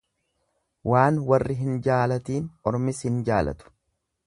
Waan warri hin jaalatiin ormis hin jaalatu.